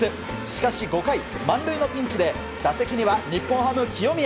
しかし５回、満塁のピンチで打席には日本ハム、清宮。